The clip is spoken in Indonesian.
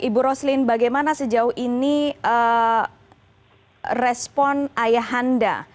ibu roslin bagaimana sejauh ini respon ayah anda